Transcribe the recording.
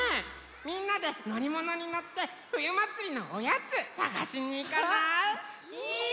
みんなでのりものにのってふゆまつりのおやつさがしにいかない？